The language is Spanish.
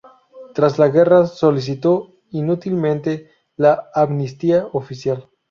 Tras la guerra, solicitó inútilmente la amnistía oficial.